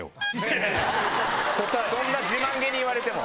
そんな自慢げに言われても。